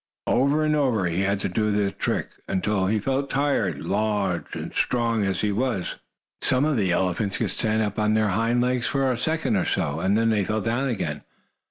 Over and over he had to do the trick, until he felt tired, large and strong as he was. Some of the elephants could stand up on their hind legs for a second or so, and then they fell down again.